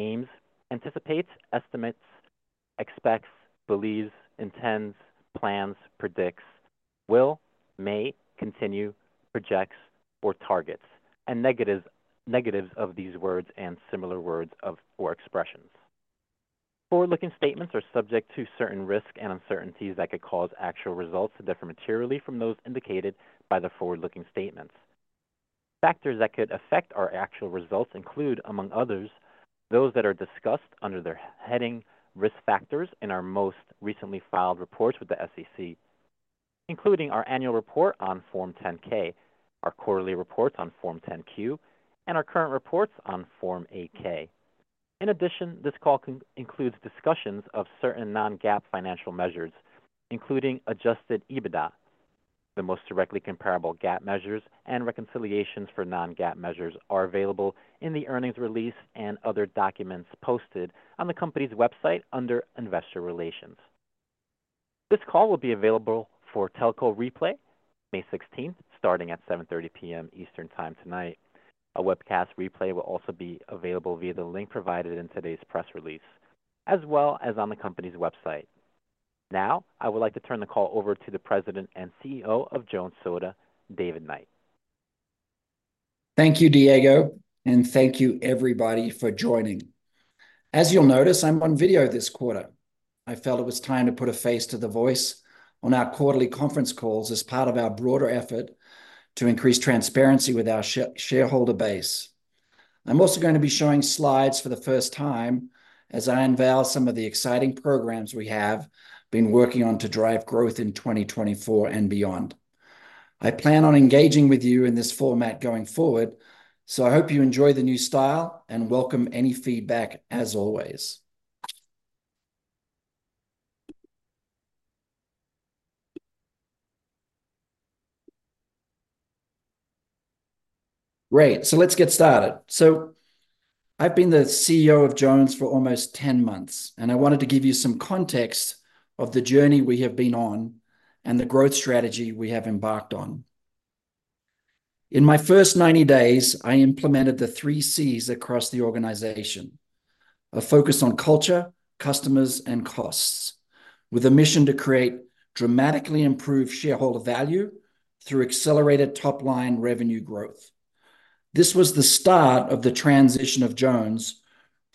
Aims, anticipates, estimates, expects, believes, intends, plans, predicts, will, may, continue, projects, or targets, and negatives, negatives of these words and similar words of, or expressions. Forward-looking statements are subject to certain risks and uncertainties that could cause actual results to differ materially from those indicated by the forward-looking statements. Factors that could affect our actual results include, among others, those that are discussed under the heading Risk Factors in our most recently filed reports with the SEC, including our annual report on Form 10-K, our quarterly reports on Form 10-Q, and our current reports on Form 8-K. In addition, this call contains discussions of certain non-GAAP financial measures, including adjusted EBITDA. The most directly comparable GAAP measures and reconciliations for non-GAAP measures are available in the earnings release and other documents posted on the company's website under Investor Relations. This call will be available for telco replay May 16th, starting at 7:30 P.M. Eastern Time tonight. A webcast replay will also be available via the link provided in today's press release, as well as on the company's website. Now, I would like to turn the call over to the President and CEO of Jones Soda, David Knight. Thank you, Diego, and thank you everybody for joining. As you'll notice, I'm on video this quarter. I felt it was time to put a face to the voice on our quarterly conference calls as part of our broader effort to increase transparency with our shareholder base. I'm also gonna be showing slides for the first time as I unveil some of the exciting programs we have been working on to drive growth in 2024 and beyond. I plan on engaging with you in this format going forward, so I hope you enjoy the new style, and welcome any feedback, as always. Great, so let's get started. So I've been the CEO of Jones for almost 10 months, and I wanted to give you some context of the journey we have been on and the growth strategy we have embarked on. In my first 90 days, I implemented the three Cs across the organization: a focus on culture, customers, and costs, with a mission to create dramatically improved shareholder value through accelerated top-line revenue growth. This was the start of the transition of Jones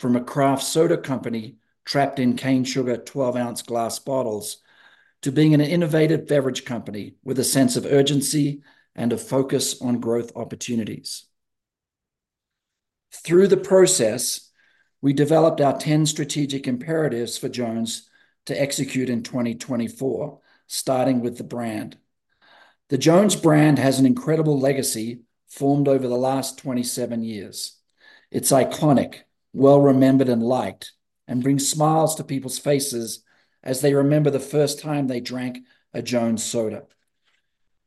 from a craft soda company trapped in cane sugar 12-ounce glass bottles, to being an innovative beverage company with a sense of urgency and a focus on growth opportunities. Through the process, we developed our 10 strategic imperatives for Jones to execute in 2024, starting with the brand. The Jones brand has an incredible legacy formed over the last 27 years. It's iconic, well-remembered, and liked, and brings smiles to people's faces as they remember the first time they drank a Jones Soda.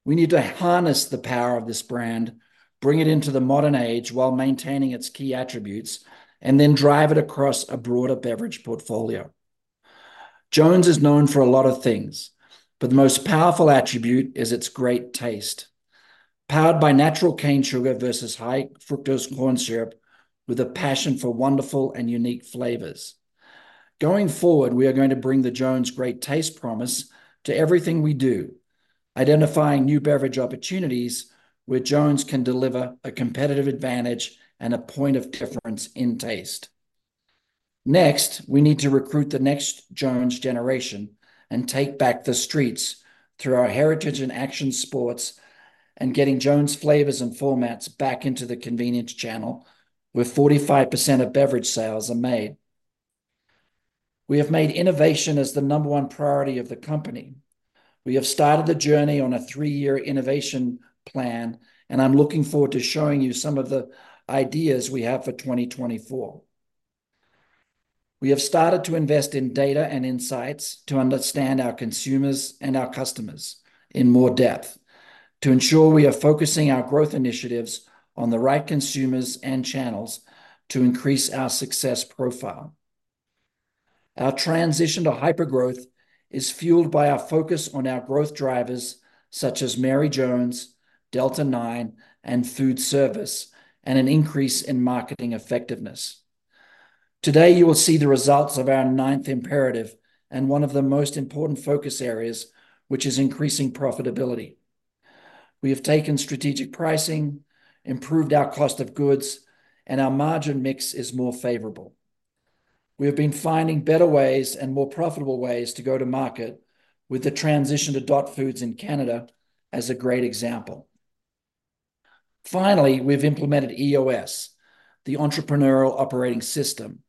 We need to harness the power of this brand, bring it into the modern age while maintaining its key attributes, and then drive it across a broader beverage portfolio. Jones is known for a lot of things, but the most powerful attribute is its great taste, powered by natural cane sugar versus high fructose corn syrup, with a passion for wonderful and unique flavors. Going forward, we are going to bring the Jones' great taste promise to everything we do, identifying new beverage opportunities where Jones can deliver a competitive advantage and a point of difference in taste. Next, we need to recruit the next Jones generation and take back the streets through our heritage and action sports, and getting Jones flavors and formats back into the convenience channel, where 45% of beverage sales are made. We have made innovation as the number one priority of the company. We have started the journey on a three-year innovation plan, and I'm looking forward to showing you some of the ideas we have for 2024. We have started to invest in data and insights to understand our consumers and our customers in more depth, to ensure we are focusing our growth initiatives on the right consumers and channels to increase our success profile. Our transition to hypergrowth is fueled by our focus on our growth drivers, such as Mary Jones, Delta-9, and food service, and an increase in marketing effectiveness. Today, you will see the results of our ninth imperative and one of the most important focus areas, which is increasing profitability. We have taken strategic pricing, improved our cost of goods, and our margin mix is more favorable. We have been finding better ways and more profitable ways to go to market, with the transition to Dot Foods in Canada as a great example. Finally, we've implemented EOS, the Entrepreneurial Operating System,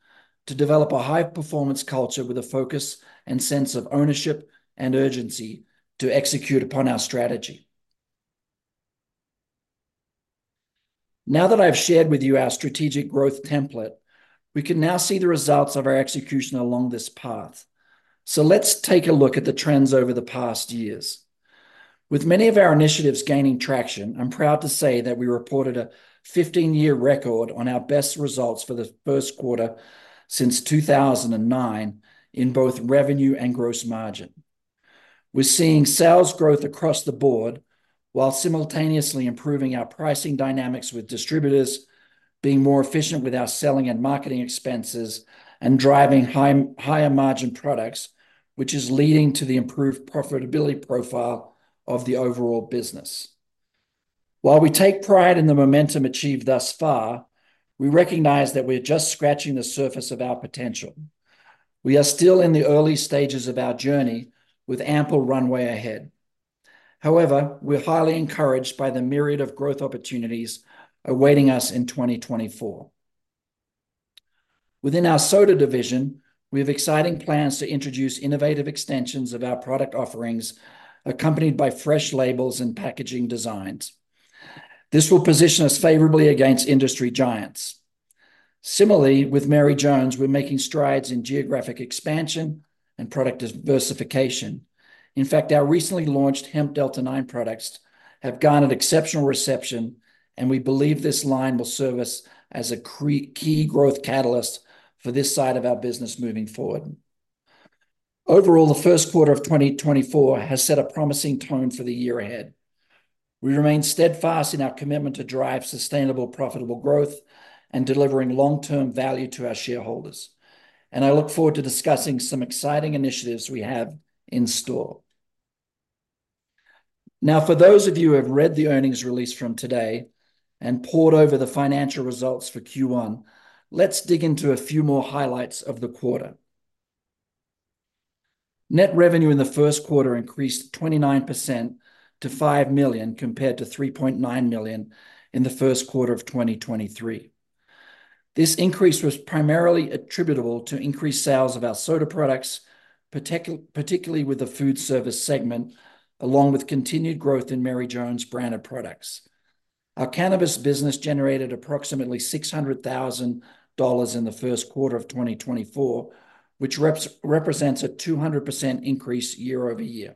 to develop a high-performance culture with a focus and sense of ownership and urgency to execute upon our strategy. Now that I've shared with you our strategic growth template, we can now see the results of our execution along this path. So let's take a look at the trends over the past years. With many of our initiatives gaining traction, I'm proud to say that we reported a 15-year record on our best results for the Q1 since 2009 in both revenue and gross margin. We're seeing sales growth across the board, while simultaneously improving our pricing dynamics with distributors, being more efficient with our selling and marketing expenses, and driving higher margin products, which is leading to the improved profitability profile of the overall business. While we take pride in the momentum achieved thus far, we recognize that we're just scratching the surface of our potential. We are still in the early stages of our journey, with ample runway ahead. However, we're highly encouraged by the myriad of growth opportunities awaiting us in 2024. Within our soda division, we have exciting plans to introduce innovative extensions of our product offerings, accompanied by fresh labels and packaging designs. This will position us favorably against industry giants. Similarly, with Mary Jones, we're making strides in geographic expansion and product diversification. In fact, our recently launched hemp Delta-9 products have gotten an exceptional reception, and we believe this line will serve us as a key growth catalyst for this side of our business moving forward. Overall, the Q1 of 2024 has set a promising tone for the year ahead. We remain steadfast in our commitment to drive sustainable, profitable growth and delivering long-term value to our shareholders, and I look forward to discussing some exciting initiatives we have in store. Now, for those of you who have read the earnings release from today and pored over the financial results for Q1, let's dig into a few more highlights of the quarter. Net revenue in the Q1 increased 29% to $5 million, compared to $3.9 million in the Q1 of 2023. This increase was primarily attributable to increased sales of our soda products, particularly with the food service segment, along with continued growth in Mary Jones branded products. Our cannabis business generated approximately $600,000 in the Q1 of 2024, which represents a 200% increase year-over-year.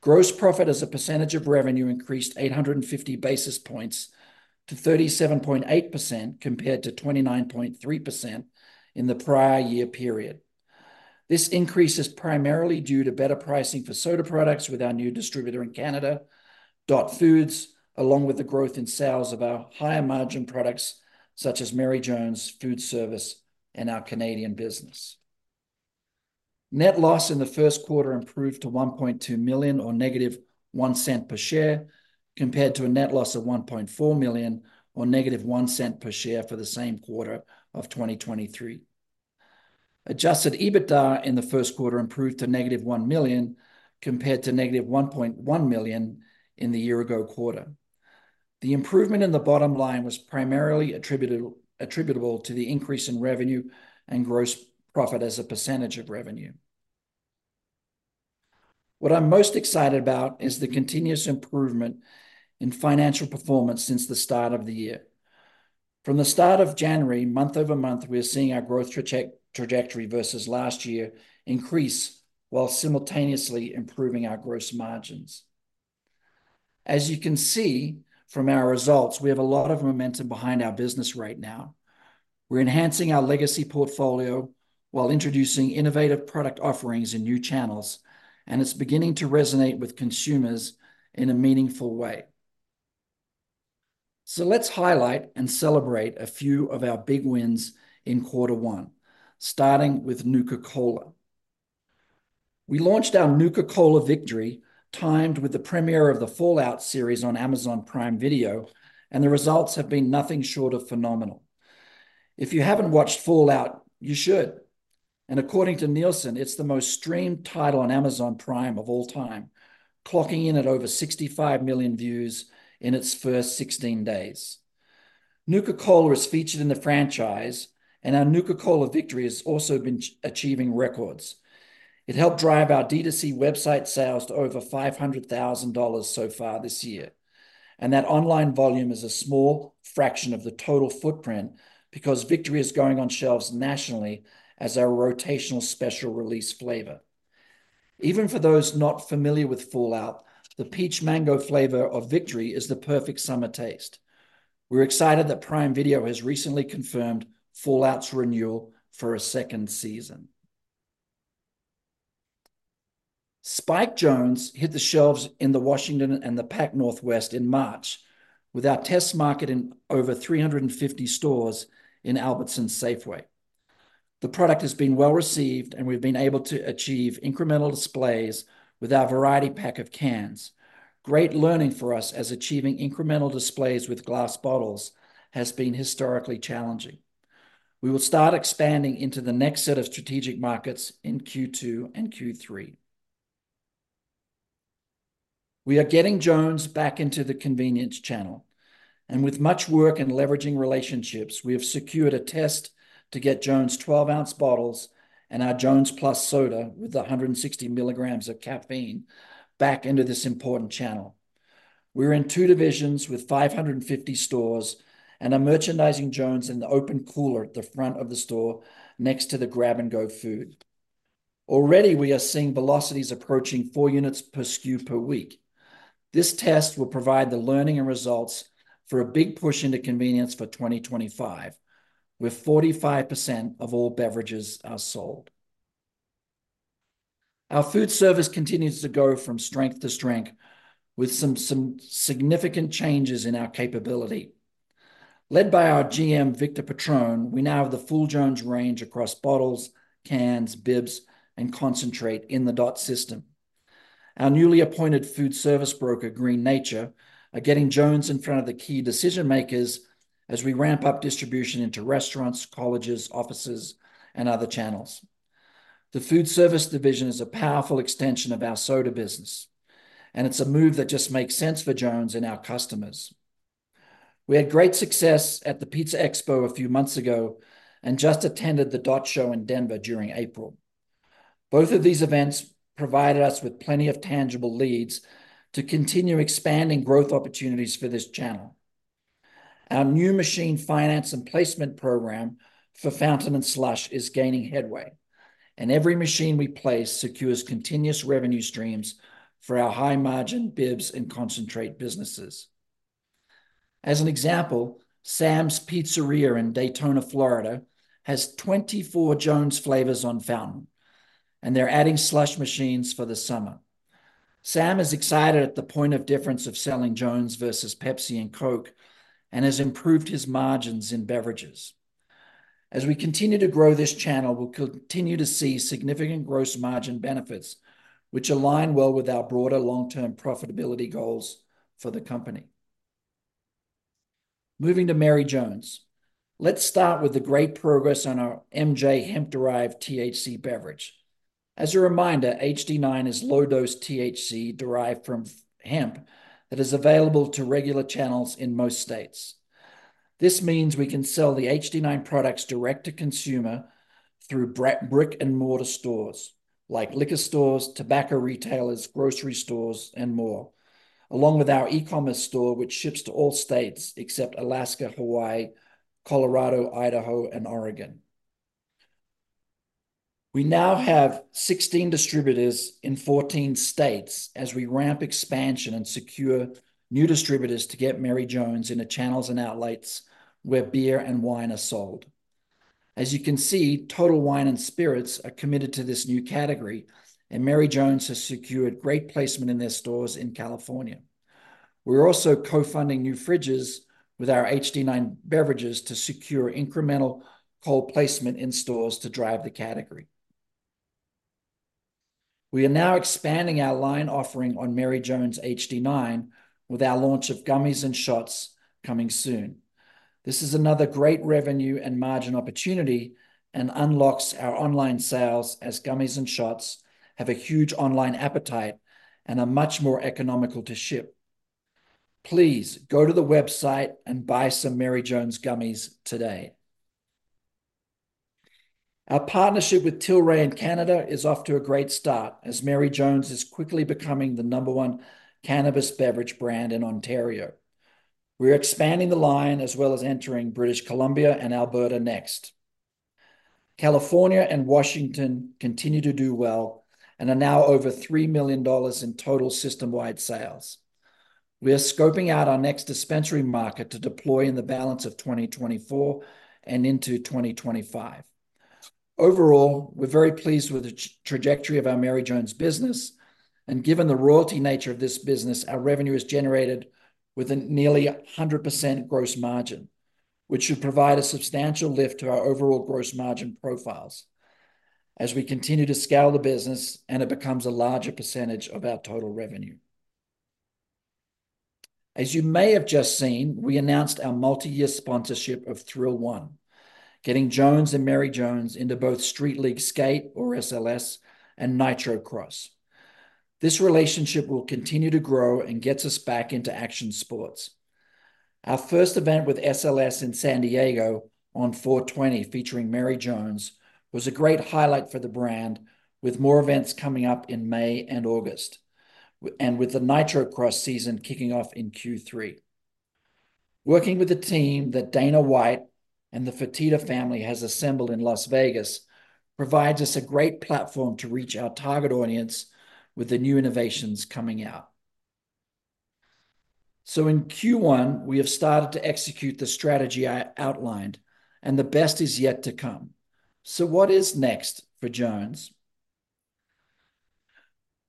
Gross profit as a percentage of revenue increased 850 basis points to 37.8%, compared to 29.3% in the prior year period. This increase is primarily due to better pricing for soda products with our new distributor in Canada, Dot Foods, along with the growth in sales of our higher-margin products, such as Mary Jones food service and our Canadian business. Net loss in the Q1 improved to $1.2 million, or -$0.01 per share, compared to a net loss of $1.4 million, or -$0.01 per share for the same quarter of 2023. Adjusted EBITDA in the Q1 improved to -$1 million, compared to -$1.1 million in the year-ago quarter. The improvement in the bottom line was primarily attributable to the increase in revenue and gross profit as a percentage of revenue. What I'm most excited about is the continuous improvement in financial performance since the start of the year. From the start of January, month-over-month, we are seeing our growth trajectory versus last year increase, while simultaneously improving our gross margins. As you can see from our results, we have a lot of momentum behind our business right now. We're enhancing our legacy portfolio while introducing innovative product offerings in new channels, and it's beginning to resonate with consumers in a meaningful way. So let's highlight and celebrate a few of our big wins in Q1, starting with Nuka-Cola. We launched our Nuka-Cola Victory, timed with the premiere of the Fallout series on Amazon Prime Video, and the results have been nothing short of phenomenal. If you haven't watched Fallout, you should, and according to Nielsen, it's the most-streamed title on Amazon Prime of all time, clocking in at over 65 million views in its first 16 days. Nuka-Cola is featured in the franchise, and our Nuka-Cola Victory has also been achieving records. It helped drive our D2C website sales to over $500,000 so far this year, and that online volume is a small fraction of the total footprint because Victory is going on shelves nationally as our rotational special release flavor. Even for those not familiar with Fallout, the peach mango flavor of Victory is the perfect summer taste. We're excited that Prime Video has recently confirmed Fallout's renewal for a second season. Spiked Jones hit the shelves in the Washington and the Pac Northwest in March, with our test market in over 350 stores in Albertsons Safeway. The product has been well-received, and we've been able to achieve incremental displays with our variety pack of cans. Great learning for us, as achieving incremental displays with glass bottles has been historically challenging. We will start expanding into the next set of strategic markets in Q2 and Q3. We are getting Jones back into the convenience channel, and with much work and leveraging relationships, we have secured a test to get Jones' 12-ounce bottles and our Jones Plus soda, with 160 mg of caffeine, back into this important channel. We're in two divisions with 550 stores and are merchandising Jones in the open cooler at the front of the store, next to the grab-and-go food. Already, we are seeing velocities approaching 4 units per SKU per week.... This test will provide the learning and results for a big push into convenience for 2025, where 45% of all beverages are sold. Our food service continues to go from strength to strength, with some significant changes in our capability. Led by our GM, Victor Petrone, we now have the full Jones range across bottles, cans, BIBs, and concentrate in the Dot Foods system. Our newly appointed food service broker, Green Nature, are getting Jones in front of the key decision-makers as we ramp up distribution into restaurants, colleges, offices, and other channels. The food service division is a powerful extension of our soda business, and it's a move that just makes sense for Jones and our customers. We had great success at the Pizza Expo a few months ago, and just attended the Dot Foods show in Denver during April. Both of these events provided us with plenty of tangible leads to continue expanding growth opportunities for this channel. Our new machine finance and placement program for fountain and slush is gaining headway, and every machine we place secures continuous revenue streams for our high-margin BIBs and concentrate businesses. As an example, Sam's Pizzeria in Daytona, Florida, has 24 Jones flavors on fountain, and they're adding slush machines for the summer. Sam is excited at the point of difference of selling Jones versus Pepsi and Coke, and has improved his margins in beverages. As we continue to grow this channel, we'll continue to see significant gross margin benefits, which align well with our broader long-term profitability goals for the company. Moving to Mary Jones. Let's start with the great progress on our MJ hemp-derived THC beverage. As a reminder, HD9 is low-dose THC derived from hemp that is available to regular channels in most states. This means we can sell the HD9 products direct to consumer through brick and mortar stores, like liquor stores, tobacco retailers, grocery stores, and more, along with our e-commerce store, which ships to all states except Alaska, Hawaii, Colorado, Idaho, and Oregon. We now have 16 distributors in 14 states as we ramp expansion and secure new distributors to get Mary Jones into channels and outlets where beer and wine are sold. As you can see, Total Wine & Spirits are committed to this new category, and Mary Jones has secured great placement in their stores in California. We're also co-funding new fridges with our HD9 beverages to secure incremental cold placement in stores to drive the category. We are now expanding our line offering on Mary Jones HD9, with our launch of gummies and shots coming soon. This is another great revenue and margin opportunity, and unlocks our online sales, as gummies and shots have a huge online appetite and are much more economical to ship. Please go to the website and buy some Mary Jones gummies today. Our partnership with Tilray in Canada is off to a great start, as Mary Jones is quickly becoming the number one cannabis beverage brand in Ontario. We're expanding the line, as well as entering British Columbia and Alberta next. California and Washington continue to do well, and are now over $3 million in total system-wide sales. We are scoping out our next dispensary market to deploy in the balance of 2024 and into 2025. Overall, we're very pleased with the trajectory of our Mary Jones business, and given the royalty nature of this business, our revenue is generated with a nearly 100% gross margin, which should provide a substantial lift to our overall gross margin profiles as we continue to scale the business and it becomes a larger percentage of our total revenue. As you may have just seen, we announced our multi-year sponsorship of Thrill One, getting Jones and Mary Jones into both Street League Skate, or SLS, and Nitrocross. This relationship will continue to grow and gets us back into action sports. Our first event with SLS in San Diego on 4/20, featuring Mary Jones, was a great highlight for the brand, with more events coming up in May and August, and with the Nitrocross season kicking off in Q3. Working with the team that Dana White and the Fertitta family has assembled in Las Vegas provides us a great platform to reach our target audience with the new innovations coming out. So in Q1, we have started to execute the strategy I outlined, and the best is yet to come. So what is next for Jones?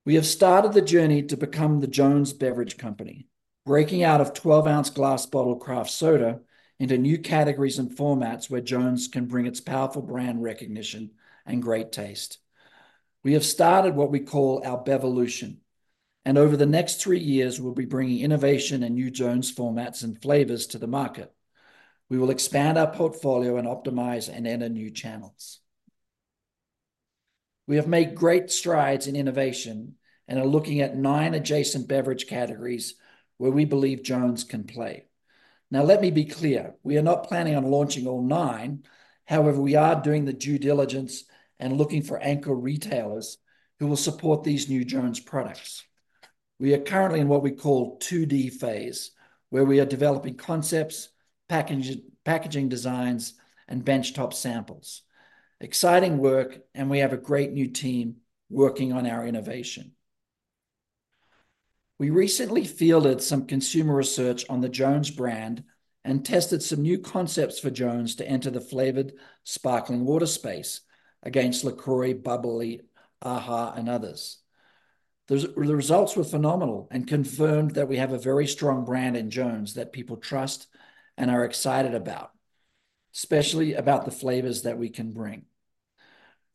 We have started the journey to become the Jones Beverage Company, breaking out of 12-ounce glass bottle craft soda into new categories and formats where Jones can bring its powerful brand recognition and great taste. We have started what we call our Bevolution, and over the next three years, we'll be bringing innovation and new Jones formats and flavors to the market. We will expand our portfolio and optimize and enter new channels. We have made great strides in innovation and are looking at nine adjacent beverage categories where we believe Jones can play. Now, let me be clear, we are not planning on launching all nine. However, we are doing the due diligence and looking for anchor retailers who will support these new Jones products. We are currently in what we call 2D phase, where we are developing concepts, packaging designs, and benchtop samples. Exciting work, and we have a great new team working on our innovation. We recently fielded some consumer research on the Jones brand and tested some new concepts for Jones to enter the flavored sparkling water space against LaCroix, bubly, AHA, and others. The results were phenomenal and confirmed that we have a very strong brand in Jones that people trust and are excited about, especially about the flavors that we can bring.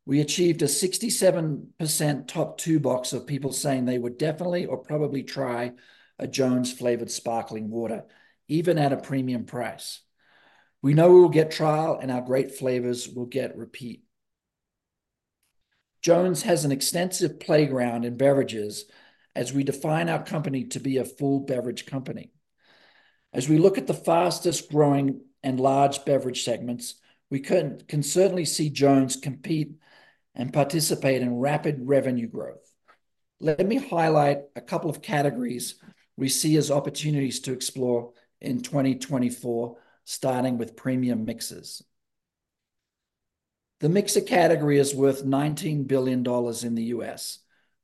We achieved a 67% Top Two Box of people saying they would definitely or probably try a Jones flavored sparkling water, even at a premium price. We know we will get trial, and our great flavors will get repeat. Jones has an extensive playground in beverages as we define our company to be a full beverage company. As we look at the fastest-growing and large beverage segments, we can certainly see Jones compete and participate in rapid revenue growth. Let me highlight a couple of categories we see as opportunities to explore in 2024, starting with premium mixes. The mixer category is worth $19 billion in the US,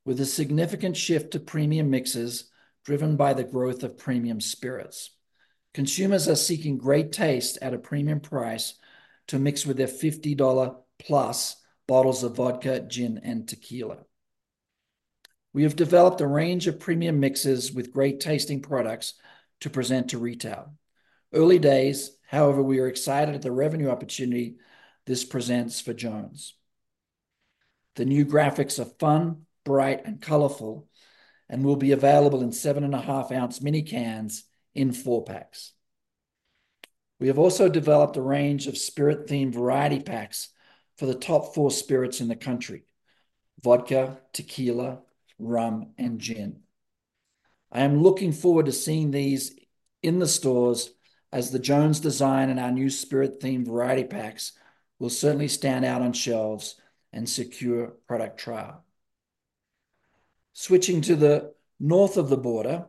with a significant shift to premium mixes driven by the growth of premium spirits. Consumers are seeking great taste at a premium price to mix with their $50+ bottles of vodka, gin, and tequila. We have developed a range of premium mixes with great-tasting products to present to retail. Early days, however, we are excited at the revenue opportunity this presents for Jones. The new graphics are fun, bright, and colorful and will be available in 7.5-ounce mini cans in 4-packs. We have also developed a range of spirit-themed variety packs for the top four spirits in the country: vodka, tequila, rum, and gin. I am looking forward to seeing these in the stores, as the Jones design and our new spirit-themed variety packs will certainly stand out on shelves and secure product trial. Switching to the north of the border,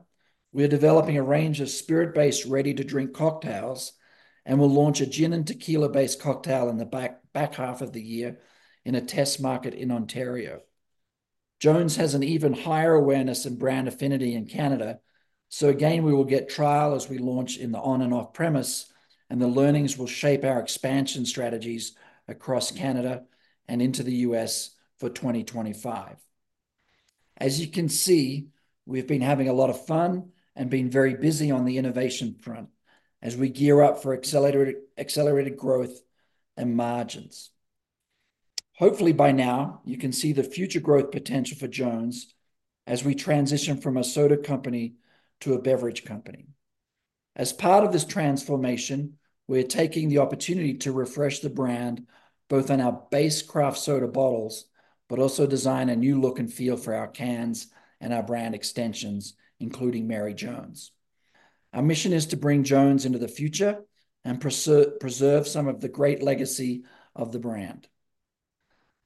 we are developing a range of spirit-based, ready-to-drink cocktails and will launch a gin and tequila-based cocktail in the back half of the year in a test market in Ontario. Jones has an even higher awareness and brand affinity in Canada, so again, we will get trial as we launch in the on and off-premise, and the learnings will shape our expansion strategies across Canada and into the U.S. for 2025. As you can see, we've been having a lot of fun and been very busy on the innovation front as we gear up for accelerated growth and margins. Hopefully, by now, you can see the future growth potential for Jones as we transition from a soda company to a beverage company. As part of this transformation, we're taking the opportunity to refresh the brand, both on our base craft soda bottles, but also design a new look and feel for our cans and our brand extensions, including Mary Jones. Our mission is to bring Jones into the future and preserve some of the great legacy of the brand.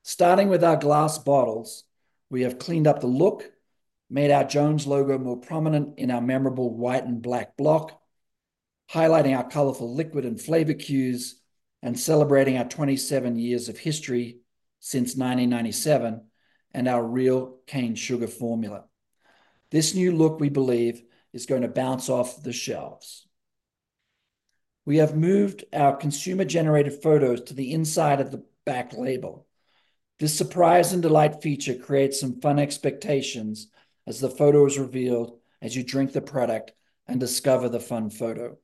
Starting with our glass bottles, we have cleaned up the look, made our Jones logo more prominent in our memorable white and black block, highlighting our colorful liquid and flavor cues, and celebrating our 27 years of history since 1997, and our real cane sugar formula. This new look, we believe, is gonna bounce off the shelves. We have moved our consumer-generated photos to the inside of the back label. This surprise and delight feature creates some fun expectations as the photo is revealed as you drink the product and discover the fun photo.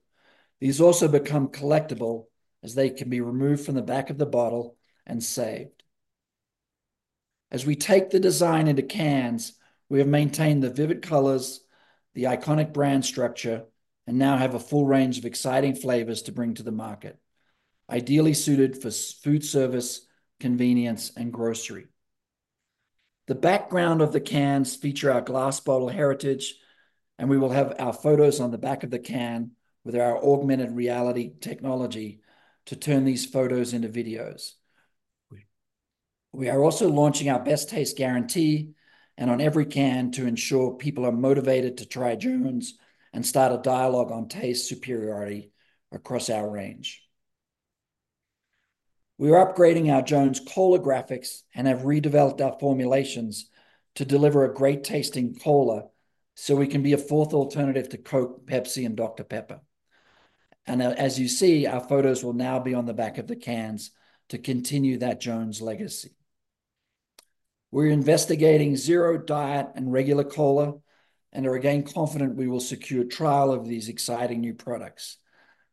These also become collectible, as they can be removed from the back of the bottle and saved. As we take the design into cans, we have maintained the vivid colors, the iconic brand structure, and now have a full range of exciting flavors to bring to the market, ideally suited for food service, convenience, and grocery. The background of the cans feature our glass bottle heritage, and we will have our photos on the back of the can with our augmented reality technology to turn these photos into videos. We are also launching our best taste guarantee and on every can to ensure people are motivated to try Jones and start a dialogue on taste superiority across our range. We are upgrading our Jones Cola graphics and have redeveloped our formulations to deliver a great-tasting cola, so we can be a fourth alternative to Coke, Pepsi, and Dr Pepper. As you see, our photos will now be on the back of the cans to continue that Jones legacy. We're investigating zero, diet, and regular cola and are again confident we will secure trial of these exciting new products.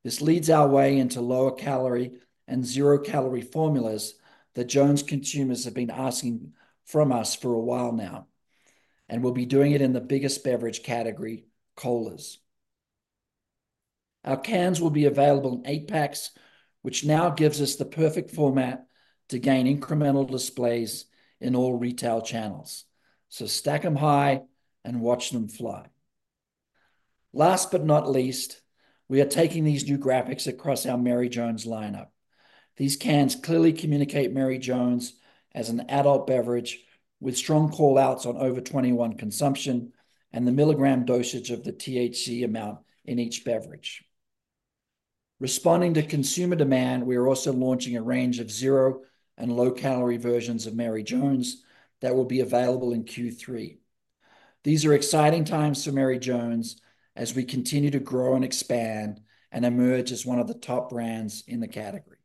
This leads our way into lower-calorie and zero-calorie formulas that Jones consumers have been asking from us for a while now, and we'll be doing it in the biggest beverage category, colas. Our cans will be available in 8-packs, which now gives us the perfect format to gain incremental displays in all retail channels. So stack them high and watch them fly. Last but not least, we are taking these new graphics across our Mary Jones lineup... These cans clearly communicate Mary Jones as an adult beverage with strong call-outs on over 21 consumption and the milligram dosage of the THC amount in each beverage. Responding to consumer demand, we are also launching a range of zero and low-calorie versions of Mary Jones that will be available in Q3. These are exciting times for Mary Jones as we continue to grow and expand and emerge as one of the top brands in the category.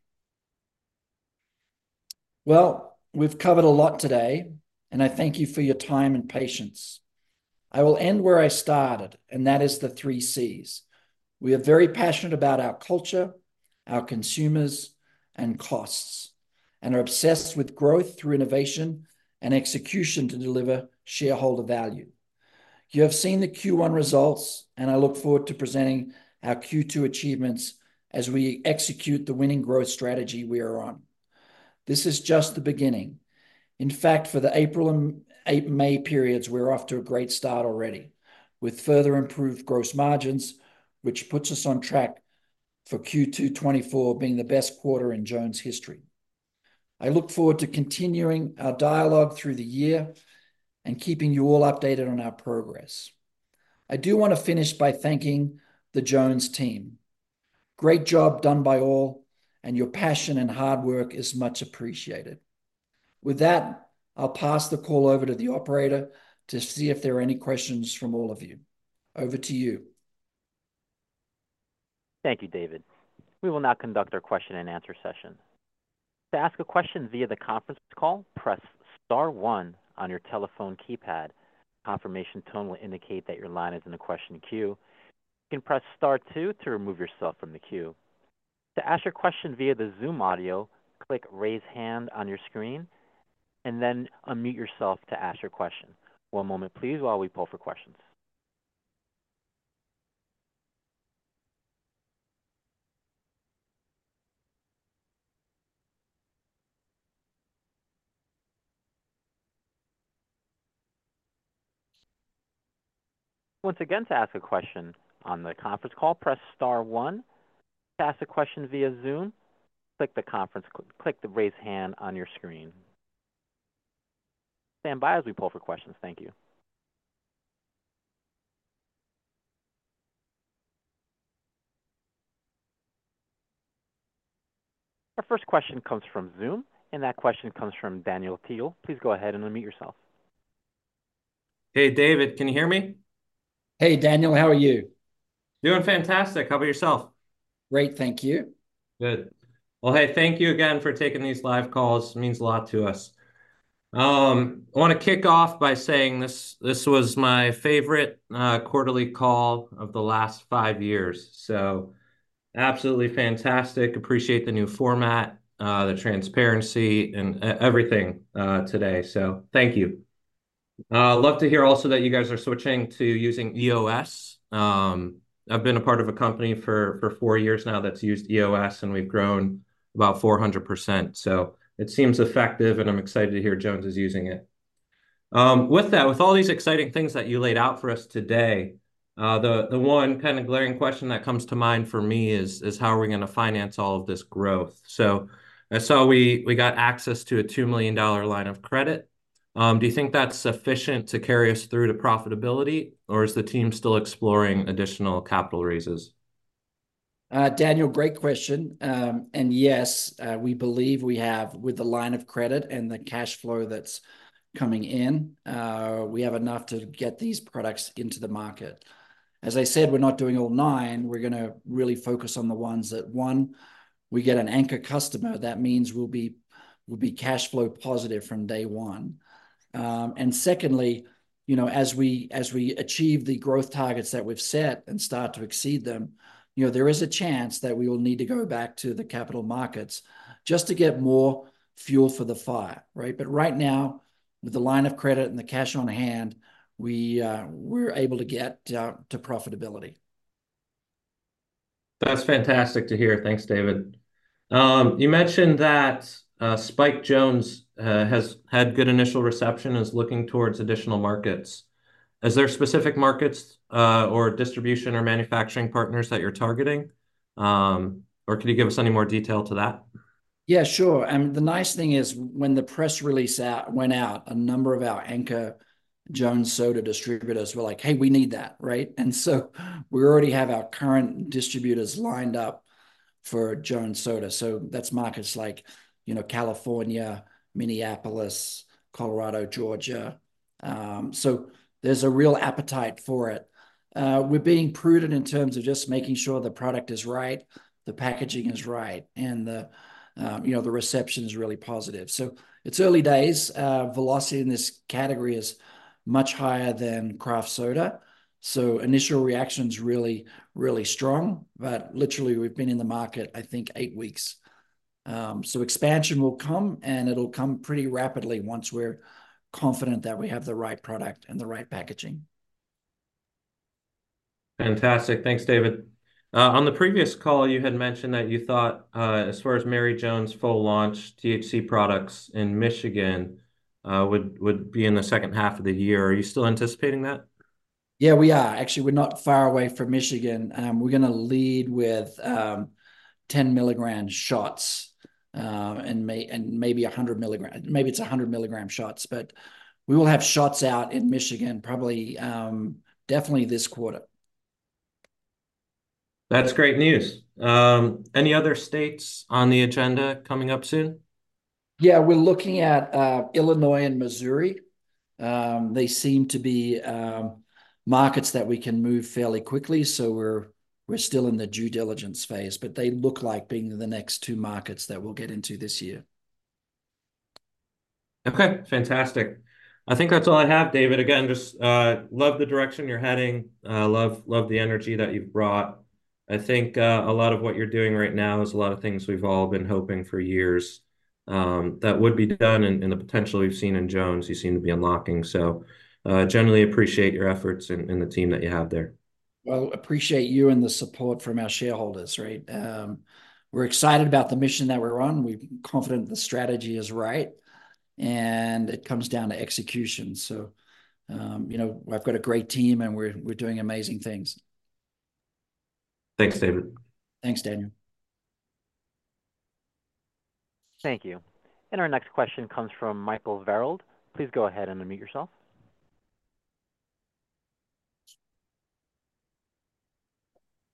Well, we've covered a lot today, and I thank you for your time and patience. I will end where I started, and that is the three Cs. We are very passionate about our culture, our consumers, and costs, and are obsessed with growth through innovation and execution to deliver shareholder value. You have seen the Q1 results, and I look forward to presenting our Q2 achievements as we execute the winning growth strategy we are on. This is just the beginning. In fact, for the April and May periods, we're off to a great start already, with further improved gross margins, which puts us on track for Q2 2024 being the best quarter in Jones history. I look forward to continuing our dialogue through the year and keeping you all updated on our progress. I do wanna finish by thanking the Jones team. Great job done by all, and your passion and hard work is much appreciated. With that, I'll pass the call over to the operator to see if there are any questions from all of you. Over to you. Thank you, David. We will now conduct our question and answer session. To ask a question via the conference call, press star one on your telephone keypad. Confirmation tone will indicate that your line is in the question queue. You can press star two to remove yourself from the queue. To ask your question via the Zoom audio, click Raise Hand on your screen, and then unmute yourself to ask your question. One moment, please, while we poll for questions. Once again, to ask a question on the conference call, press star one. To ask a question via Zoom, click the Raise Hand on your screen. Stand by as we poll for questions. Thank you. Our first question comes from Zoom, and that question comes from Daniel Teal. Please go ahead and unmute yourself. Hey, David, can you hear me? Hey, Daniel. How are you? Doing fantastic. How about yourself? Great, thank you. Good. Well, hey, thank you again for taking these live calls. Means a lot to us. I wanna kick off by saying this, this was my favorite quarterly call of the last five years, so absolutely fantastic. Appreciate the new format, the transparency, and everything today, so thank you. Love to hear also that you guys are switching to using EOS. I've been a part of a company for four years now that's used EOS, and we've grown about 400%, so it seems effective, and I'm excited to hear Jones is using it. With that, with all these exciting things that you laid out for us today, the one kind of glaring question that comes to mind for me is, how are we gonna finance all of this growth? I saw we got access to a $2 million line of credit. Do you think that's sufficient to carry us through to profitability, or is the team still exploring additional capital raises? Daniel, great question. And yes, we believe we have, with the line of credit and the cash flow that's coming in, we have enough to get these products into the market. As I said, we're not doing all nine. We're gonna really focus on the ones that, one, we get an anchor customer, that means we'll be, we'll be cash flow positive from day one. And secondly, you know, as we, as we achieve the growth targets that we've set and start to exceed them, you know, there is a chance that we will need to go back to the capital markets just to get more fuel for the fire, right? But right now, with the line of credit and the cash on hand, we, we're able to get, to profitability. That's fantastic to hear. Thanks, David. You mentioned that Spiked Jones has had good initial reception, is looking towards additional markets. Is there specific markets or distribution or manufacturing partners that you're targeting, or can you give us any more detail to that? Yeah, sure, and the nice thing is, when the press release went out, a number of our anchor Jones Soda distributors were like: "Hey, we need that," right? And so we already have our current distributors lined up for Jones Soda. So that's markets like, you know, California, Minneapolis, Colorado, Georgia. So there's a real appetite for it. We're being prudent in terms of just making sure the product is right, the packaging is right, and the, you know, the reception is really positive. So it's early days. Velocity in this category is much higher than craft soda, so initial reaction's really, really strong. But literally, we've been in the market, I think, eight weeks. So expansion will come, and it'll come pretty rapidly once we're confident that we have the right product and the right packaging. Fantastic. Thanks, David. On the previous call, you had mentioned that you thought, as far as Mary Jones' full launch THC products in Michigan, would be in the H2 of the year. Are you still anticipating that?... Yeah, we are. Actually, we're not far away from Michigan. We're gonna lead with 10 mg shots, and maybe a 100 mg. Maybe it's a 100 mg shots, but we will have shots out in Michigan, probably, definitely this quarter. That's great news. Any other states on the agenda coming up soon? Yeah, we're looking at Illinois and Missouri. They seem to be markets that we can move fairly quickly, so we're still in the due diligence phase, but they look like being the next two markets that we'll get into this year. Okay, fantastic. I think that's all I have, David. Again, just love the direction you're heading, love, love the energy that you've brought. I think a lot of what you're doing right now is a lot of things we've all been hoping for years that would be done, and, and the potential we've seen in Jones you seem to be unlocking. So generally appreciate your efforts and, and the team that you have there. Well, appreciate you and the support from our shareholders, right? We're excited about the mission that we're on. We're confident the strategy is right, and it comes down to execution. So, you know, I've got a great team, and we're doing amazing things. Thanks, David. Thanks, Daniel. Thank you. Our next question comes from Michael Verald. Please go ahead and unmute yourself.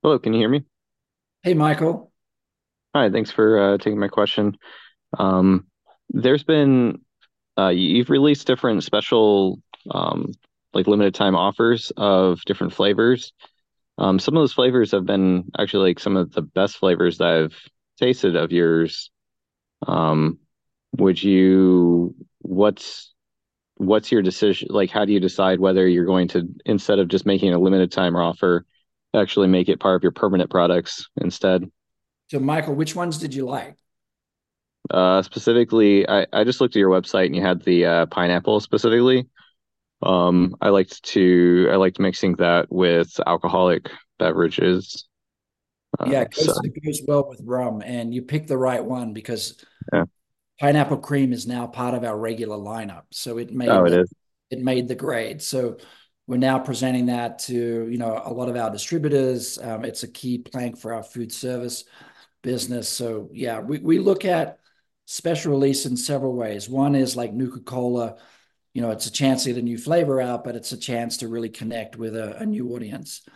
Hello, can you hear me? Hey, Michael. Hi, thanks for taking my question. There's been you've released different special, like, limited time offers of different flavors. Some of those flavors have been actually, like, some of the best flavors that I've tasted of yours. Would you... What's your decision- Like, how do you decide whether you're going to, instead of just making a limited time offer, actually make it part of your permanent products instead? So Michael, which ones did you like? Specifically, I just looked at your website, and you had the pineapple, specifically. I liked mixing that with alcoholic beverages. So- Yeah, it goes well with rum, and you picked the right one because- Yeah... Pineapple Cream is now part of our regular lineup, so it made- Oh, it is? It made the grade. So we're now presenting that to, you know, a lot of our distributors. It's a key plank for our food service business. So yeah, we look at special release in several ways. One is like Nuka-Cola. You know, it's a chance to get a new flavor out, but it's a chance to really connect with a new audience.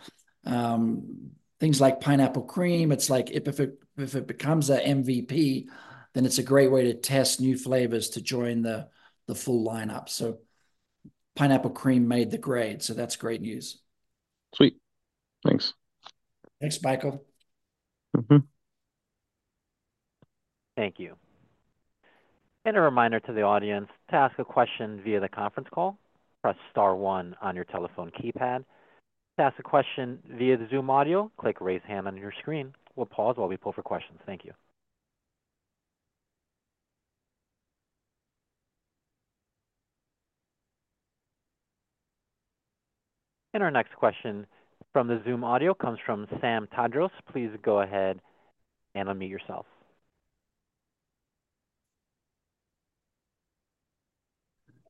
Things like Pineapple Cream, it's like, if it becomes a MVP, then it's a great way to test new flavors to join the full lineup. So Pineapple Cream made the grade, so that's great news. Sweet. Thanks. Thanks, Michael. Mm-hmm. Thank you. And a reminder to the audience, to ask a question via the conference call, press star one on your telephone keypad. To ask a question via the Zoom audio, click Raise Hand on your screen. We'll pause while we pull for questions. Thank you. And our next question from the Zoom audio comes from Sam Tadros. Please go ahead and unmute yourself.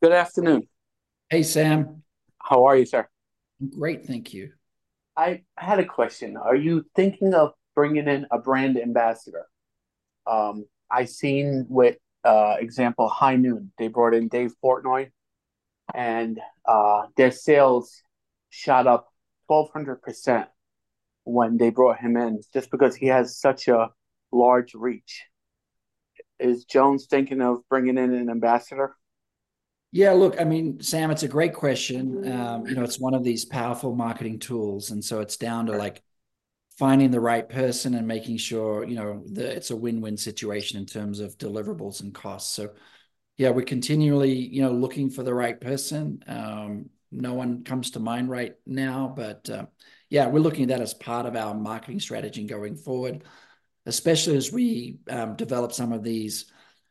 Good afternoon. Hey, Sam. How are you, sir? Great, thank you. I had a question. Are you thinking of bringing in a brand ambassador? I seen with example, High Noon, they brought in Dave Portnoy, and their sales shot up 1,200% when they brought him in, just because he has such a large reach. Is Jones thinking of bringing in an ambassador? Yeah, look, I mean, Sam, it's a great question. You know, it's one of these powerful marketing tools, and so it's down to, like, finding the right person and making sure, you know, that it's a win-win situation in terms of deliverables and costs. So yeah, we're continually, you know, looking for the right person. No one comes to mind right now, but, yeah, we're looking at that as part of our marketing strategy going forward, especially as we develop some of these,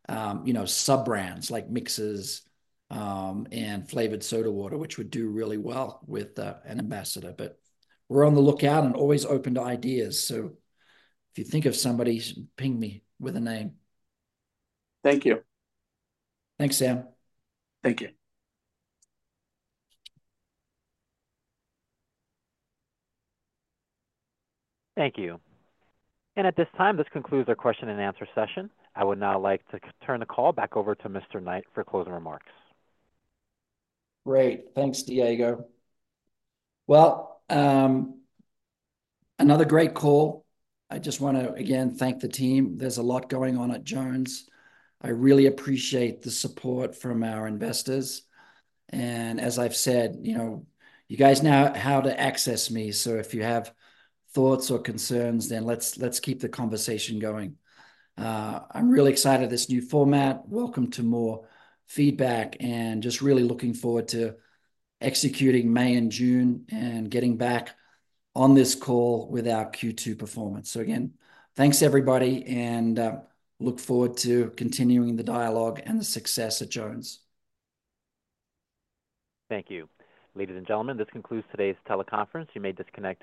you know, sub-brands, like mixes, and flavored soda water, which would do really well with an ambassador. But we're on the lookout and always open to ideas, so if you think of somebody, ping me with a name. Thank you. Thanks, Sam. Thank you. Thank you. At this time, this concludes our question and answer session. I would now like to turn the call back over to Mr. Knight for closing remarks. Great. Thanks, Diego. Well, another great call. I just want to, again, thank the team. There's a lot going on at Jones. I really appreciate the support from our investors, and as I've said, you know, you guys know how to access me, so if you have thoughts or concerns, then let's, let's keep the conversation going. I'm really excited this new format. Welcome to more feedback, and just really looking forward to executing May and June and getting back on this call with our Q2 performance. So again, thanks, everybody, and look forward to continuing the dialogue and the success at Jones. Thank you. Ladies and gentlemen, this concludes today's teleconference. You may disconnect your-